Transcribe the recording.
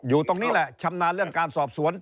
อยู่ตรงนี้แหละชำนาญเรื่องการสอบสวน